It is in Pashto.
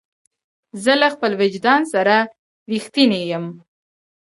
زه له خپل وجدان سره رښتینی یم.